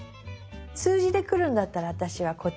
数字でくるんだったら私はこっちにしよう。